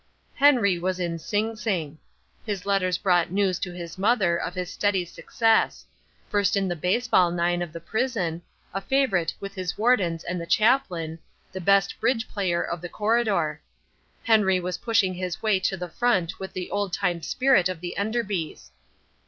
Henry was in Sing Sing. His letters brought news to his mother of his steady success; first in the baseball nine of the prison, a favourite with his wardens and the chaplain, the best bridge player of the corridor. Henry was pushing his way to the front with the old time spirit of the Enderbys.